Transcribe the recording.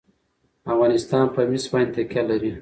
افغانستان په مس باندې تکیه لري.